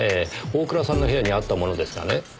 大倉さんの部屋にあったものですがね